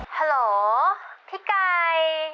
ฮัลโหลพี่ไก่